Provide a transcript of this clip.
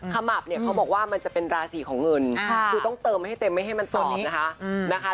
ขมับเนี่ยเขาบอกว่ามันจะเป็นราศีของเงินคือต้องเติมให้เต็มไม่ให้มันสดนะคะ